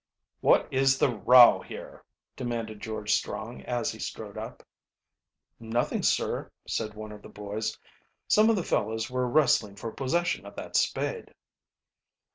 "What is the row here?" demanded George Strong, as he strode up. "Nothing, sir," said one of the boy. "Some of the fellows were wrestling for possession of that spade."